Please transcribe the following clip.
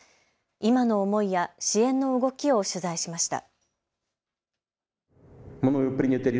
今の思いや支援の動きを取材しました。